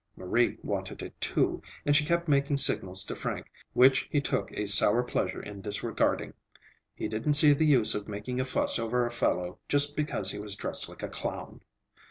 Marie wanted it, too, and she kept making signals to Frank, which he took a sour pleasure in disregarding. He didn't see the use of making a fuss over a fellow just because he was dressed like a clown.